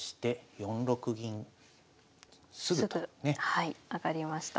はい上がりました。